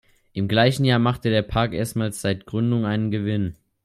Im gleichen Jahr machte der Park erstmals seit Gründung einen Gewinn.